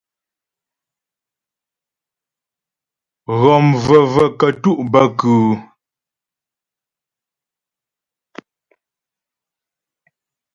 Ghɔm vəvə kətú' bə kʉ́ʉ́ ?